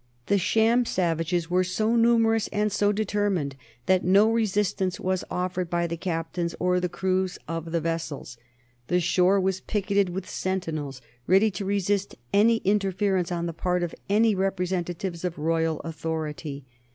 The sham savages were so numerous and so determined that no resistance was offered by the captains or the crews of the vessels. The shore was picketed with sentinels ready to resist any interference on the part of any representatives of royal authority.